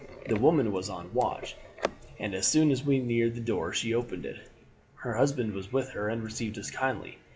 The woman was on the watch, and as soon as we neared the door she opened it. Her husband was with her and received us kindly.